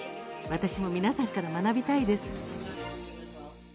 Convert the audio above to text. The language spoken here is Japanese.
私も皆さんから学びたいです。